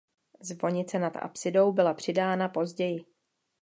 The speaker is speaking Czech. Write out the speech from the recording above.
Zvonice nad apsidou byla přidána později.